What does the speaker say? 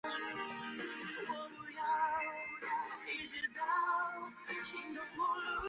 建武六年帝公孙述。